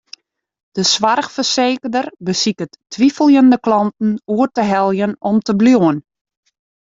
De soarchfersekerder besiket twiveljende klanten oer te heljen om te bliuwen.